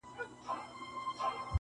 • فرنګ په خپلو وینو کي رنګ وو -